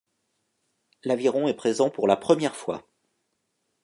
L'aviron est présent pour la première fois.